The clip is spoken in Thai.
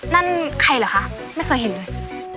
นั่นใครเหรอคะไม่เคยเห็นเลย